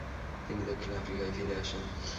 তিনি দক্ষিণ আফ্রিকায় ফিরে আসেন।